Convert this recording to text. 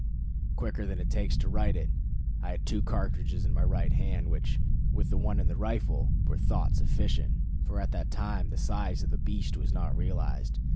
Quicker than it takes to write it, I had two cartridges in my right hand, which, with the one in the rifle, were thought sufficient, for at that time the size of the beast was not realized.